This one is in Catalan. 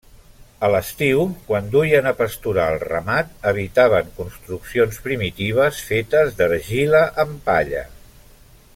A l'estiu, quan duien a pasturar el ramat, habitaven construccions primitives fetes d'argila amb palla.